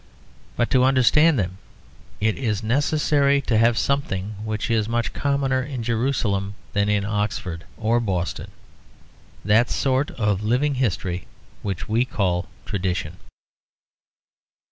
But to understand them it is necessary to have something which is much commoner in Jerusalem than in Oxford or Boston; that sort of living history which we call tradition.